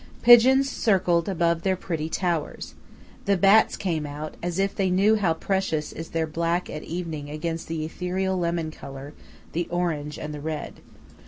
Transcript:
Pigeons circled above their pretty towers. The bats came out, as if they knew how precious is their black at evening against the ethereal lemon color, the orange and the red.